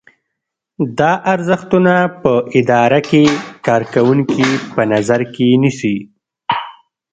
دا ارزښتونه په اداره کې کارکوونکي په نظر کې نیسي.